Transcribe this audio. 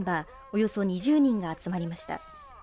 およそ２０人が集まりました。